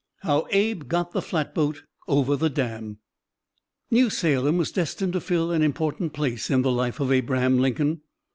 HOW ABE GOT THE FLATBOAT OVER THE DAM New Salem was destined to fill an important place in the life of Abraham Lincoln.